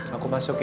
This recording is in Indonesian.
aku masuk ya